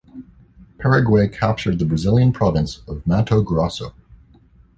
Paraguay captured the Brazilian province of Mato Grosso.